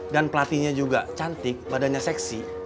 dan platinya juga cantik badannya seksi